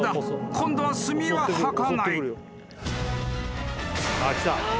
今度は墨は吐かない］